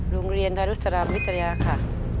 โรงเรียนดารุสรามวิทยาค่ะ